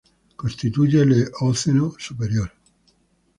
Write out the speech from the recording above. Constituye el Eoceno superior.